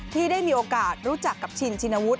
ที่ได้มีโอกาสรู้จักกับชินชินวุฒ